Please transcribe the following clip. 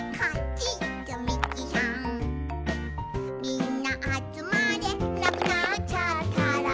みんなあつまれ」「なくなっちゃったら」